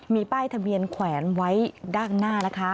มีป้ายทะเบียนแขวนไว้ด้านหน้านะคะ